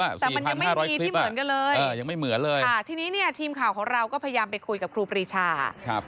แต่มันยังไม่มีที่เหมือนกันเลยยังไม่เหมือนเลยค่ะทีนี้เนี่ยทีมข่าวของเราก็พยายามไปคุยกับครูปรีชาครับ